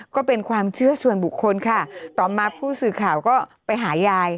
ก็เป็นความเชื่อส่วนบุคคลค่ะต่อมาผู้สื่อข่าวก็ไปหายาย